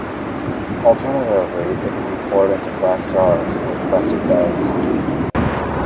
Alternatively it can be poured into glass jars or plastic bags.